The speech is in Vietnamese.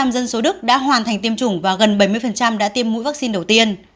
một mươi dân số đức đã hoàn thành tiêm chủng và gần bảy mươi đã tiêm mũi vaccine đầu tiên